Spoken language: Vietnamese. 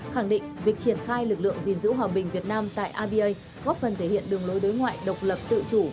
khẳng định việc triển khai lực lượng diễn dữ hòa bình việt nam tại rba góp phần thể hiện đường lối đối ngoại độc lập tự chủ